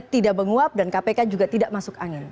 tidak menguap dan kpk juga tidak masuk angin